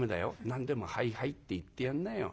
何でも『はいはい』って言ってやんなよ。